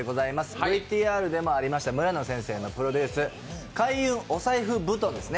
ＶＴＲでもありました村野先生のプロデュース、開運お財布布団ですね。